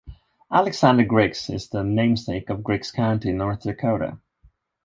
Alexander Griggs is the namesake of Griggs County, North Dakota.